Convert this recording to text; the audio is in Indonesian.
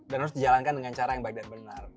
dan harus dijalankan dengan cara yang baik dan benar